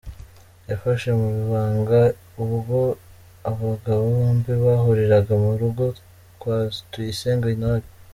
yafashe mu ibanga ubwo aba bagabo bombi bahuriraga mu rugo kwa Tuyisenge Intore.